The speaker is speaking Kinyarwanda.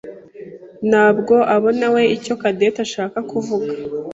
ntabwo abonawe icyo Cadette ashaka kuvuga.